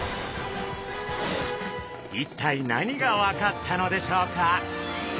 一体何が分かったのでしょうか？